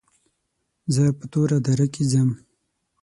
زه په توره دره کې ځم.